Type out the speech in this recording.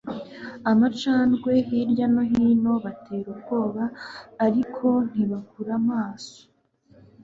amacandwe hirya no hino. batera ubwoba, ariko ntibakure amaraso